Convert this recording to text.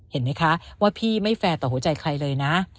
เห็นไหมคะว่าพี่ไม่แฟร์ต่อหัวใจใครเลยนะ